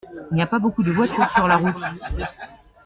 Il n’y a pas beaucoup de voitures sur la route.